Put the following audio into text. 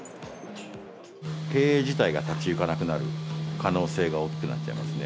経営自体が立ち行かなくなる可能性が大きくなってますね。